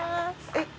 えっ？